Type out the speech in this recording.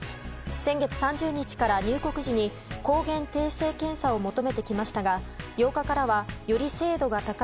先月３０日から、入国時に高原定性検査を求めてきましたが８日からは、より精度が高い